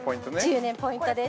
◆１０年、ポイントです。